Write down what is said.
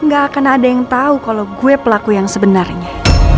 gak akan ada yang tahu kalau gue pelaku yang sebenarnya